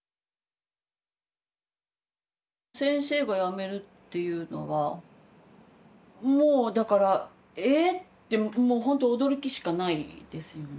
先生が辞めるっていうのはもうだから「ええ⁉」ってもうほんと驚きしかないですよね。